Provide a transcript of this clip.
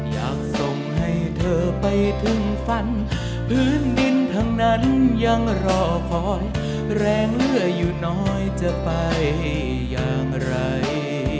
อยากส่งให้เธอไปถึงฝันพื้นดินทั้งนั้นยังรอคอยแรงเหลืออยู่น้อยจะไปอย่างไร